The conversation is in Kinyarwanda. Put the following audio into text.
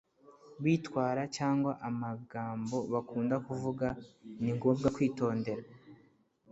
bitwara cyangwa amagambo bakunda kuvuga. ni ngombwa kwitondera